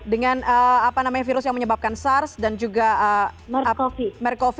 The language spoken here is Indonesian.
dengan virus yang menyebabkan sars dan juga mad cov